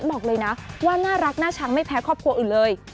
บอกเลยนะว่าน่ารักน่าชังไม่แพ้ครอบครัวอื่นเลย